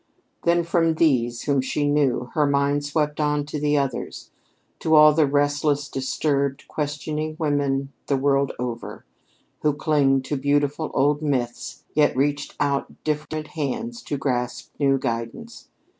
Then from these, whom she knew, her mind swept on to the others to all the restless, disturbed, questioning women the world over, who, clinging to beautiful old myths, yet reached out diffident hands to grasp new guidance.